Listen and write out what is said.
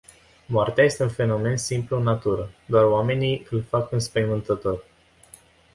Moartea este un fenomen simplu în natură. Doar oamenii îl fac înspăimântător.